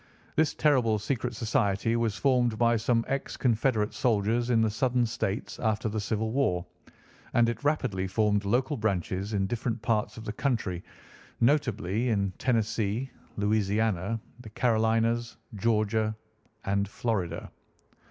This terrible secret society was formed by some ex Confederate soldiers in the Southern states after the Civil War, and it rapidly formed local branches in different parts of the country, notably in Tennessee, Louisiana, the Carolinas, Georgia, and Florida.